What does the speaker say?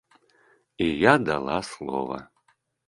І я дала слова.